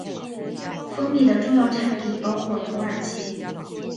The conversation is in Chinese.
蜂蜜的重要产地包括土耳其。